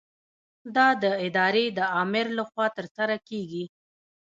دا د ادارې د آمر له خوا ترسره کیږي.